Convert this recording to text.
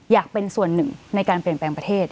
อยากเป็นส่วนหนึ่งในการเปลี่ยนแปลงประเทศ